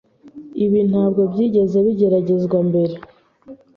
Ibi ntabwo byigeze bigeragezwa mbere.